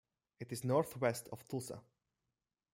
It is northwest of Tulsa.